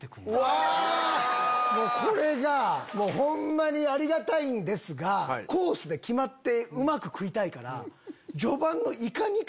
もうこれが！ホンマにありがたいんですがコースで決まってうまく食いたいから。